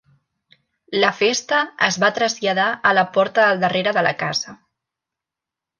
La festa es va traslladar a la porta del darrere de la casa.